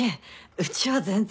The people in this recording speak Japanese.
うちは全然。